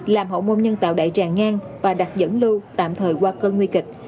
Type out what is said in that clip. làm hậu môn nhân tạo đại tràng ngang và đặt dẫn lưu tạm thời qua cơn nguy kịch